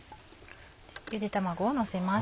ゆで卵をのせます。